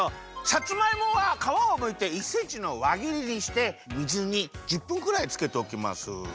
さつまいもはかわをむいて１センチのわぎりにして水に１０分くらいつけておきます。